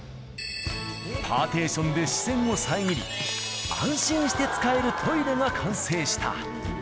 パーテーションで視線を遮り、安心して使えるトイレが完成した。